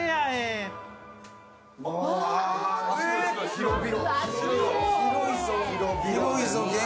広々。